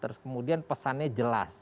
terus kemudian pesannya jelas